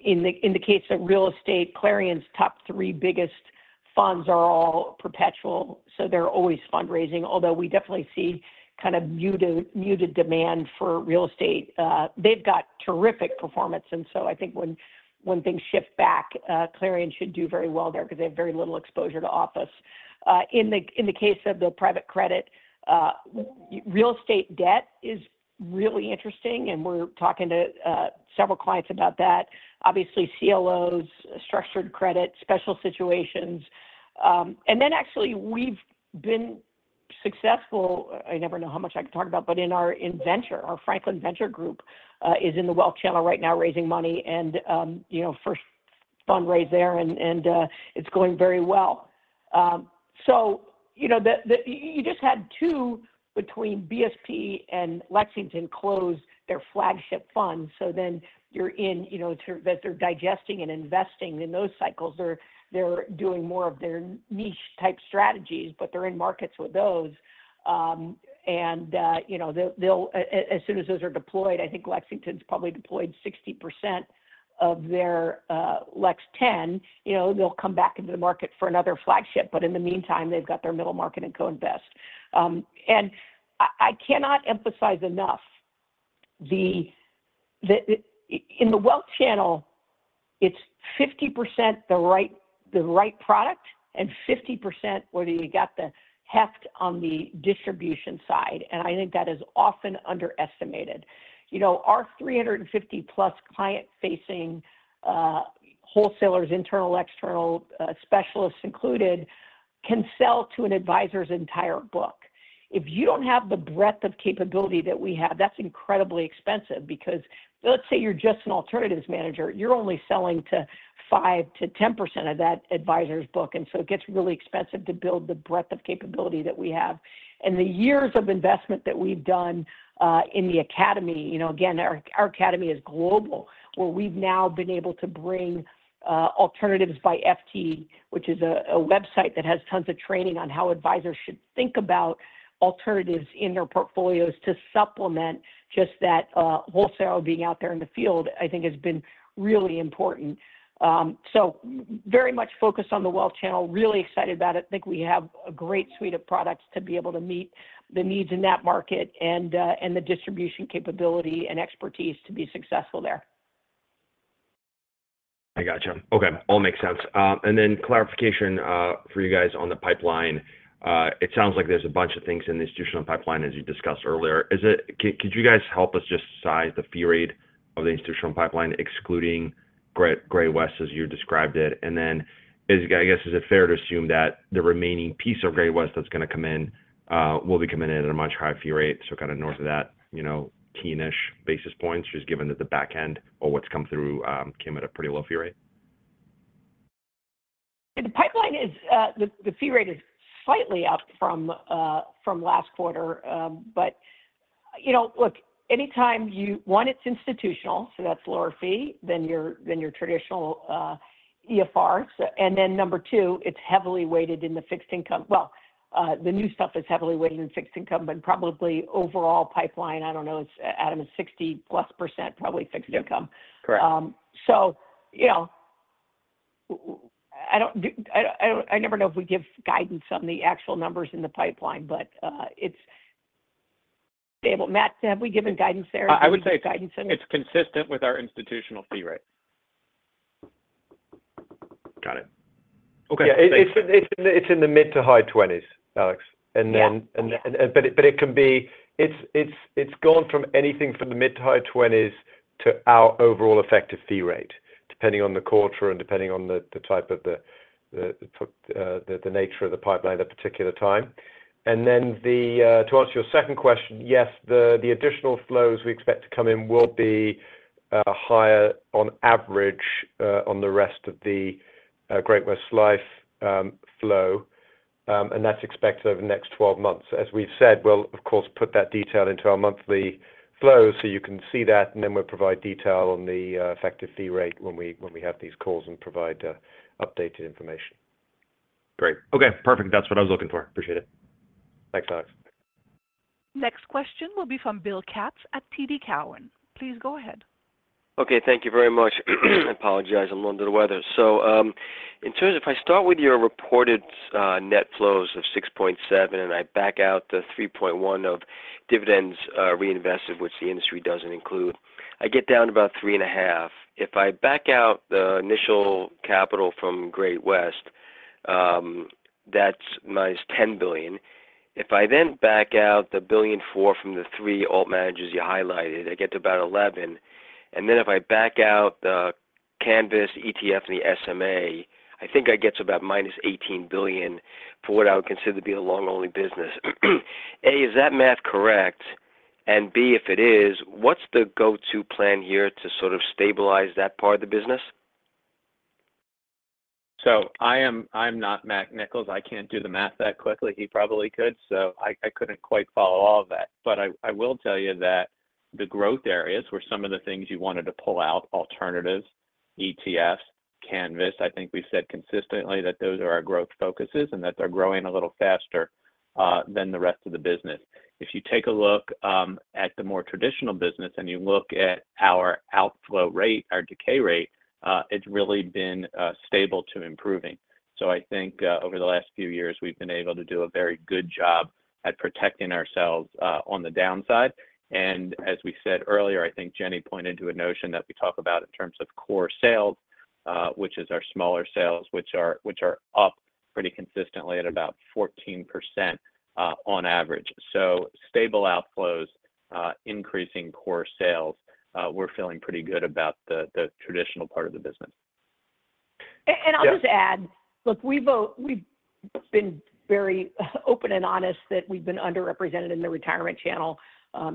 In the case of real estate, Clarion's top three biggest funds are all perpetual, so they're always fundraising, although we definitely see kind of muted demand for real estate. They've got terrific performance. And so I think when things shift back, Clarion should do very well there because they have very little exposure to office. In the case of the private credit, real estate debt is really interesting, and we're talking to several clients about that. Obviously, CLOs, structured credit, special situations. Then actually, we've been successful—I never know how much I can talk about—but in our venture. Our Franklin Venture Group is in the wealth channel right now raising money and first fundraise there, and it's going very well. So you just had two between BSP and Lexington close their flagship funds. So then you're in that they're digesting and investing in those cycles. They're doing more of their niche-type strategies, but they're in markets with those. And as soon as those are deployed, I think Lexington's probably deployed 60% of their Lex 10. They'll come back into the market for another flagship. But in the meantime, they've got their middle market and co-invest. And I cannot emphasize enough, in the wealth channel, it's 50% the right product and 50% where you got the heft on the distribution side. And I think that is often underestimated. Our 350-plus client-facing wholesalers, internal, external, specialists included, can sell to an advisor's entire book. If you don't have the breadth of capability that we have, that's incredibly expensive because let's say you're just an Alternatives manager. You're only selling to 5%-10% of that advisor's book. And so it gets really expensive to build the breadth of capability that we have. And the years of investment that we've done in the academy again, our academy is global, where we've now been able to bring Alternatives by FT, which is a website that has tons of training on how advisors should think about Alternatives in their portfolios to supplement just that wholesale being out there in the field, I think has been really important. So very much focused on the Wealth Channel, really excited about it. I think we have a great suite of products to be able to meet the needs in that market and the distribution capability and expertise to be successful there. I gotcha. Okay. All makes sense. And then clarification for you guys on the pipeline. It sounds like there's a bunch of things in the institutional pipeline, as you discussed earlier. Could you guys help us just size the fee rate of the institutional pipeline, excluding Great-West as you described it? And then, I guess, is it fair to assume that the remaining piece of Great-West that's going to come in will be committed at a much higher fee rate? So, kind of north of that 30-ish basis points, just given that the backend or what's come through came at a pretty low fee rate? Yeah. The fee rate is slightly up from last quarter. But look, anytime you one, it's institutional, so that's lower fee than your traditional EFRs. And then number two, it's heavily weighted in the fixed income, well, the new stuff is heavily weighted in fixed income, but probably overall pipeline, I don't know, Adam, is 60% plus probably fixed income. So, I never know if we give guidance on the actual numbers in the pipeline, but it's stable. Matt, have we given guidance there? I would say it's consistent with our institutional fee rate. Got it. Okay. It's in the mid to high 20s, Alex. But it can be it's gone from anything from the mid to high 20s to our overall effective fee rate, depending on the quarter and depending on the type of the nature of the pipeline at that particular time. And then to answer your second question, yes, the additional flows we expect to come in will be higher on average on the rest of the Great-West Lifeco flow, and that's expected over the next 12 months. As we've said, we'll, of course, put that detail into our monthly flows so you can see that. And then we'll provide detail on the effective fee rate when we have these calls and provide updated information. Great. Okay. Perfect. That's what I was looking for. Appreciate it. Thanks, Alex. Next question will be from Bill Katz at TD Cowen. Please go ahead. Okay. Thank you very much. I apologize. I'm under the weather. So, if I start with your reported net flows of $6.7 billion and I back out the $3.1 billion of dividends reinvested, which the industry doesn't include, I get down to about $3.5 billion. If I back out the initial capital from Great-West, that's -$10 billion. If I then back out the $1.4 billion from the three alt managers you highlighted, I get to about $11 billion. And then if I back out the Canvas, ETFs and the SMA, I think I get to about -$18 billion for what I would consider to be a long-only business. A, is that math, correct? And B, if it is, what's the go-to plan here to sort of stabilize that part of the business? So, I'm not Matt Nicholls. I can't do the math that quickly. He probably could, so I couldn't quite follow all of that. But I will tell you that the growth areas were some of the things you wanted to pull out: Alternatives, ETFs, Canvas. I think we've said consistently that those are our growth focuses and that they're growing a little faster than the rest of the business. If you take a look at the more traditional business and you look at our outflow rate, our decay rate, it's really been stable to improving. So, I think over the last few years, we've been able to do a very good job at protecting ourselves on the downside. As we said earlier, I think Jenny pointed to a notion that we talk about in terms of core sales, which is our smaller sales, which are up pretty consistently at about 14% on average. So stable outflows, increasing core sales. We're feeling pretty good about the traditional part of the business. And I'll just add, look, we've been very open and honest that we've been underrepresented in the retirement channel.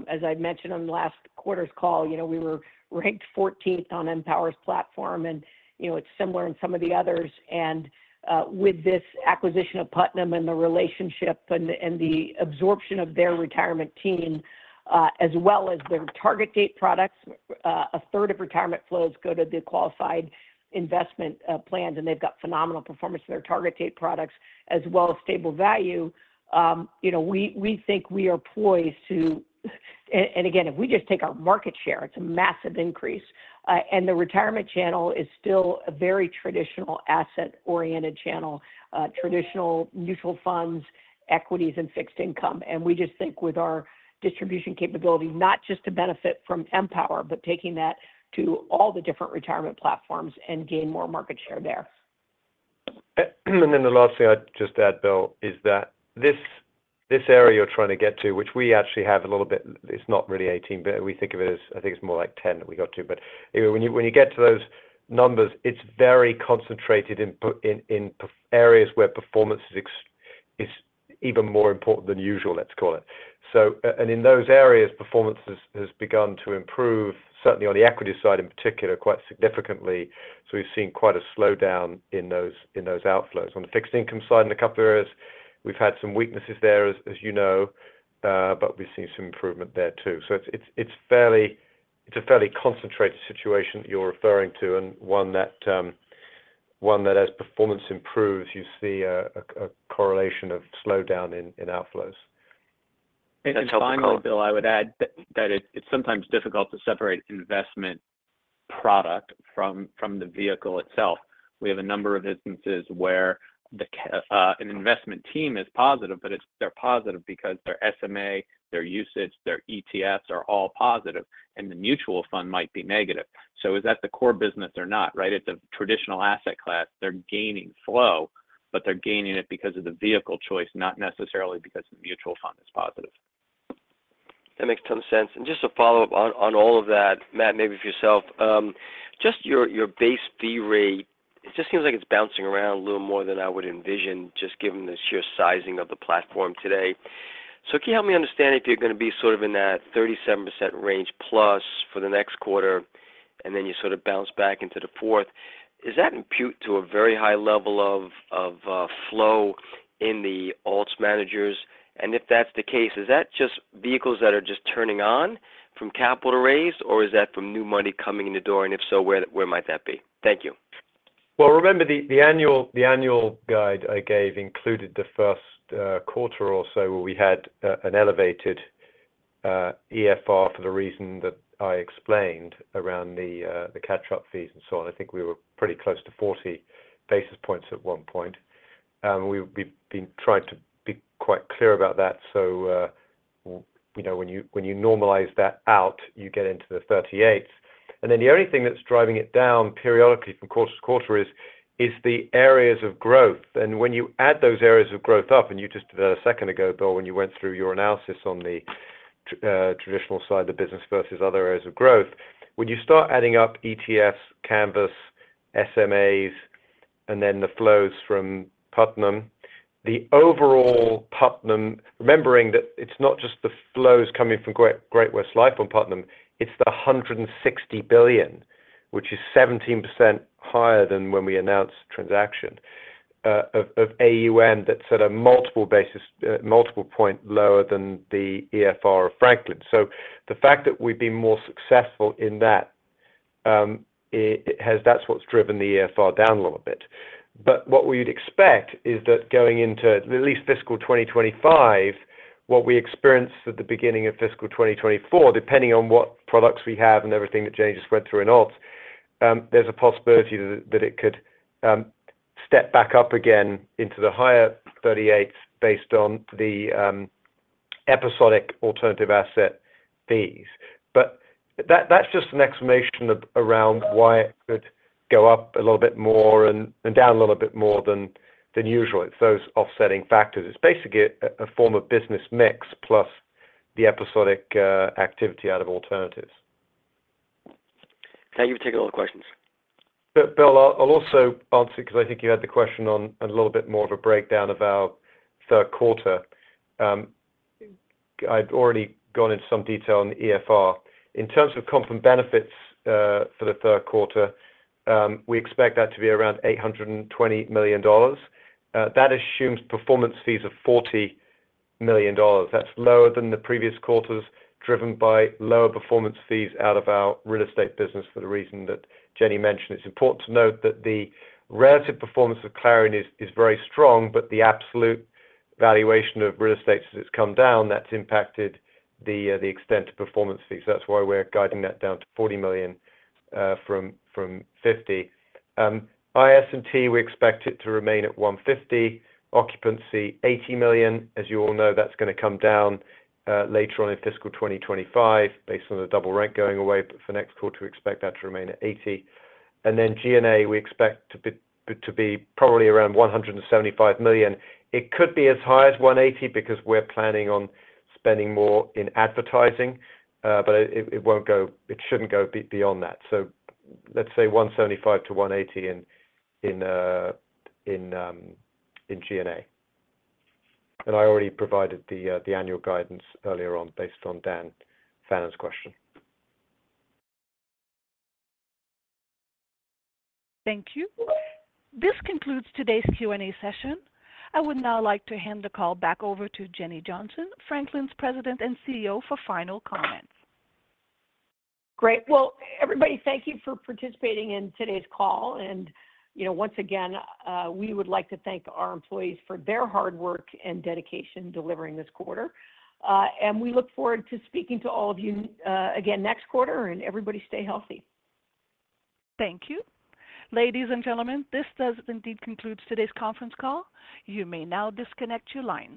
As I mentioned on the last quarter's call, we were ranked 14th on Empower's platform, and it's similar in some of the others. And with this acquisition of Putnam and the relationship and the absorption of their retirement team, as well as their target date products, a third of retirement flows go to the qualified investment plans, and they've got phenomenal performance of their target date products, as well as stable value. We think we are poised to and again, if we just take our market share, it's a massive increase. And the retirement channel is still a very traditional asset-oriented channel, traditional mutual funds, equities, and fixed income. We just think with our distribution capability, not just to benefit from Empower, but taking that to all the different retirement platforms and gain more market share there. And then the last thing I'd just add, Bill, is that this area you're trying to get to, which we actually have a little bit, it's not really 18, but we think of it as, I think it's more like 10 that we got to. But anyway, when you get to those numbers, it's very concentrated in areas where performance is even more important than usual, let's call it. And in those areas, performance has begun to improve, certainly on the equities side in particular, quite significantly. So, we've seen quite a slowdown in those outflows. On the fixed income side and a couple of areas, we've had some weaknesses there, as you know, but we've seen some improvement there too. So, it's a fairly concentrated situation that you're referring to and one that, as performance improves, you see a correlation of slowdown in outflows. Finally, Bill, I would add that it's sometimes difficult to separate investment product from the vehicle itself. We have a number of instances where an investment team is positive, but they're positive because their SMA, their usage, their ETFs are all positive, and the mutual fund might be negative. So, is that the core business or not, right? It's a traditional asset class. They're gaining flow, but they're gaining it because of the vehicle choice, not necessarily because the mutual fund is positive. That makes tons of sense. And just to follow up on all of that, Matt, maybe for yourself, just your base fee rate, it just seems like it's bouncing around a little more than I would envision just given the sheer sizing of the platform today. So can you help me understand if you're going to be sort of in that 37% range plus for the next quarter, and then you sort of bounce back into the fourth, is that imputed to a very high level of flow in the alts managers? And if that's the case, is that just vehicles that are just turning on from capital to raise, or is that from new money coming in the door? And if so, where might that be? Thank you. Well, remember, the annual guide I gave included the first quarter or so where we had an elevated EFR for the reason that I explained around the catch-up fees and so on. I think we were pretty close to 40 basis points at one point. We've been trying to be quite clear about that. So, when you normalize that out, you get into the 38s. And then the only thing that's driving it down periodically from quarter to quarter is the areas of growth. And when you add those areas of growth up and you just did that a second ago, Bill, when you went through your analysis on the traditional side, the business versus other areas of growth, when you start adding up ETFs, Canvas, SMAs, and then the flows from Putnam, the overall Putnam remembering that it's not just the flows coming from Great-West Lifeco on Putnam, it's the $160 billion, which is 17% higher than when we announced transaction of AUM that's at a multiple point lower than the EFR of Franklin. So, the fact that we've been more successful in that, that's what's driven the EFR down a little bit. But what we'd expect is that going into at least fiscal 2025, what we experienced at the beginning of fiscal 2024, depending on what products we have and everything that Jenny just went through in alts, there's a possibility that it could step back up again into the higher 38s based on the episodic Alternative asset fees. But that's just an explanation around why it could go up a little bit more and down a little bit more than usual. It's those offsetting factors. It's basically a form of business mix plus the episodic activity out of Alternatives. Thank you for taking all the questions. Bill, I'll also answer because I think you had the question on a little bit more of a breakdown of our third quarter. I'd already gone into some detail on the EFR. In terms of comp and benefits for the third quarter, we expect that to be around $820 million. That assumes performance fees of $40 million. That's lower than the previous quarters driven by lower performance fees out of our real estate business for the reason that Jenny mentioned. It's important to note that the relative performance of Clarion is very strong, but the absolute valuation of real estate as it's come down, that's impacted the extent of performance fees. So that's why we're guiding that down to $40 million from $50 million. IS&T, we expect it to remain at $150 million. Occupancy, $80 million. As you all know, that's going to come down later on in fiscal 2025 based on the double rent going away, but for next quarter, we expect that to remain at 80. And then G&A, we expect to be probably around $175 million. It could be as high as $180 million because we're planning on spending more in advertising, but it shouldn't go beyond that. So, let's say $175 million-$180 million in G&A. And I already provided the annual guidance earlier on based on Dan Fannon's question. Thank you. This concludes today's Q&A session. I would now like to hand the call back over to Jenny Johnson, Franklin's President and CEO, for final comments. Great. Well, everybody, thank you for participating in today's call. Once again, we would like to thank our employees for their hard work and dedication delivering this quarter. We look forward to speaking to all of you again next quarter. Everybody, stay healthy. Thank you. Ladies and gentlemen, this does indeed conclude today's conference call. You may now disconnect your line.